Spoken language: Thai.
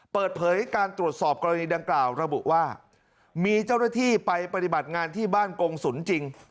เปิดเผยการตรวจสอบกรณีดังกล่าวระบุว่ามีเจ้าหน้าที่ไปปฏิบัติงานที่บ้านกงศุลจริง